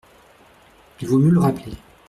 Il vaut mieux le rappeler.